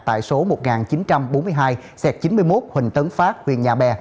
tại số một nghìn chín trăm bốn mươi hai xẹt chín mươi một huỳnh tấn phát huyện nhà bè